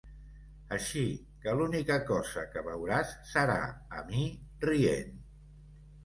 Així que l'única cosa que veuràs serà a mi, rient.